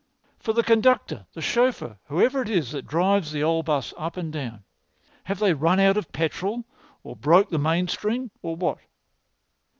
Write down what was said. "For the conductor, the chauffeur, whoever it is that drives the old bus up and down. Have they run out of petrol, or broke the mainspring, or what?"